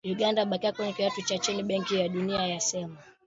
"Uganda yabakia kwenye kiwango cha kipato cha chini", Benki ya Dunia yasema.